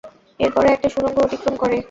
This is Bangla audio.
এর পরে, একটা সুড়ঙ্গ অতিক্রম করে।